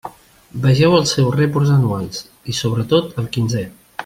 Vegeu els seus reports anuals, i sobretot el quinzè.